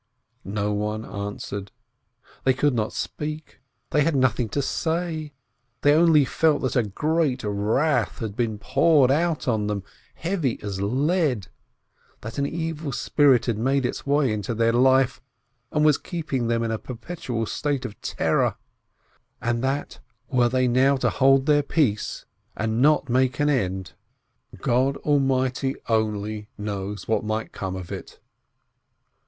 No one answered; they could not speak; they had nothing to say; they only felt that a great wrath had been poured out on them, heavy as lead, that an evil spirit had made its way into their life, and was keeping them in a perpetual state of terror ; and that, were they now to hold their peace, and not make an end, God 30 462 BLINKIN Almighty only knows what might come of it!